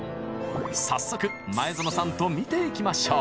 早速前園さんと見ていきましょう！